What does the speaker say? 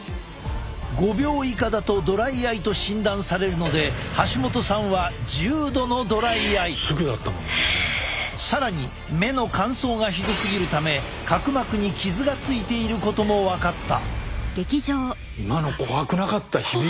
５秒以下だとドライアイと診断されるので橋本さんは更に目の乾燥がひどすぎるため角膜に傷がついていることも分かった。